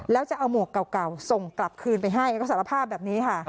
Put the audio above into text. แล้วจะเอาหมวกเก่าส่งกลับคืนไปให้ก็สารภาพแบบนี้ค่ะ